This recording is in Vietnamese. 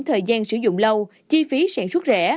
thời gian sử dụng lâu chi phí sản xuất rẻ